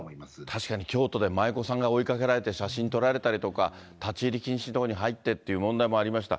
確かに京都で舞妓さんが追いかけられて、写真撮られたりとか、立ち入り禁止の所に入ってという問題もありました。